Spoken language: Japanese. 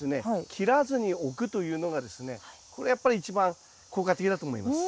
切らずにおくというのがですねこれやっぱり一番効果的だと思います。